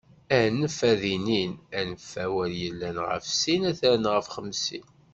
Anef ad inin, anef awal yellan ɣef sin ad tarren ɣef xemsin.